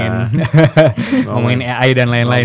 ngomongin ai dan lain lain